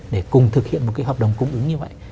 để cùng thực hiện một cái hợp đồng cung ứng như vậy